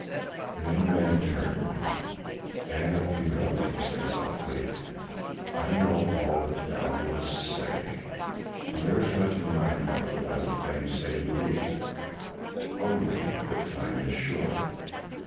The young man turned. "Anat beloved," he said softly, "I know all that thou wouldst say; and there is much in my heart that I would fain say to thee only that the time is short.